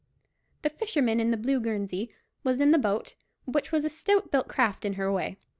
The fisherman in the blue guernsey was in the boat, which was a stout built craft in her way.